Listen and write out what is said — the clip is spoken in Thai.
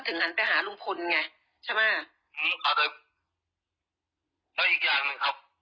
ถึงกันไปหาลุงพลไงใช่ไหมอืมเอาเลยแล้วอีกอย่างหนึ่งครับ